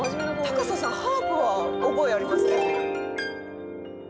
「高佐さんハープは覚えありますけど」